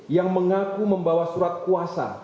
yang mengaku membawa surat kuasa